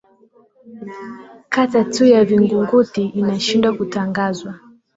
kata tu ya vingunguti inashindwa kutangazwa